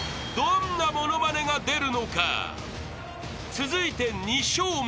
［続いて２笑目］